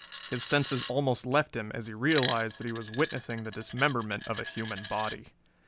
His senses almost left him as he realized that he was witnessing the dismemberment of a human body.